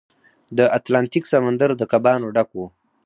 د اتلانتیک سمندر د کبانو ډک و.